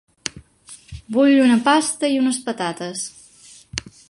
Vull una pasta i unes patates.